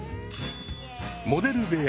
モデル部屋